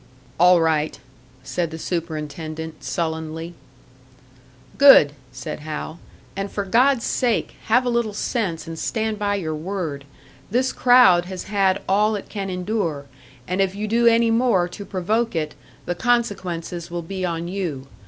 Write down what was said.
"All right," said the superintendent, sullenly. "Good!" said Hal. "And for God's sake have a little sense and stand by your word; this crowd has had all it can endure, and if you do any more to provoke it, the consequences will be on you.